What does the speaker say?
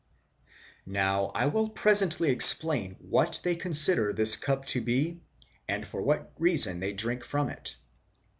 Now I will presently explain what they consider this statue to be, and for what reason they drink from it.